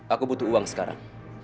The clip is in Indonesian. aku butuh uang sekarang